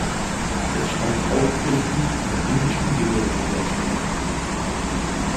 Es stammt hauptsächlich von indischen Generika-Herstellern.